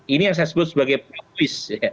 ini yang saya sebut sebagai propis